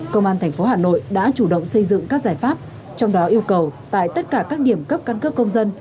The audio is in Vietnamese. công an tp hà nội đã chủ động xây dựng các giải pháp trong đó yêu cầu tại tất cả các điểm cấp căn cước công dân